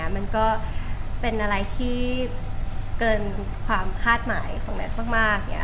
มันก็เป็นอะไรที่เกินความคาดหมายของแมทมาก